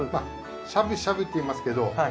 しゃぶしゃぶっていいますけど。